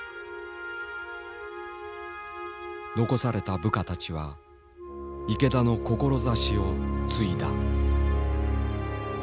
残された部下たちは池田の志を継いだ。